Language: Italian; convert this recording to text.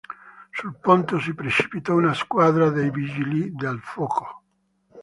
Sul posto si precipitò una squadra dei vigili del fuoco.